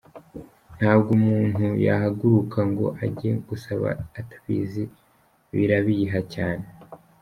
Ntabwo umuntu yahagaruka ngo ajye gusaba atabizi birabiha cyane.